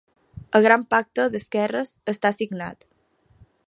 El gran pacte d’esquerres està signat.